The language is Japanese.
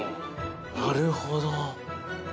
なるほど！